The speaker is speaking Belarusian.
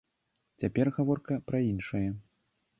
Цяпер гаворка пра іншае.